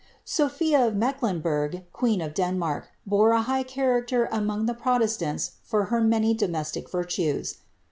Sophia of Mecklenburg, queen of Dennnark, bore a high character among the protestants for her many domestic virtues.